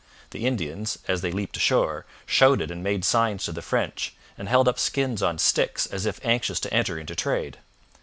The Indians, as they leaped ashore, shouted and made signs to the French, and held up skins on sticks as if anxious to enter into trade.